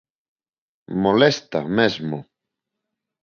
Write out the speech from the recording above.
Molesta, mesmo.